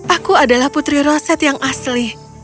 aku adalah putri roset yang asli